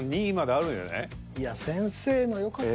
先生のよかった。